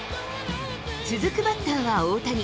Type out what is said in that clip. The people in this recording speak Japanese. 続くバッターは大谷。